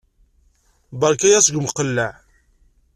Berka-yaɣ seg umqelleɛ.